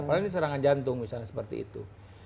padahal ini serangan jantung misalnya seperti itu